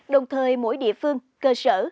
đồng thời mỗi địa phương cơ sở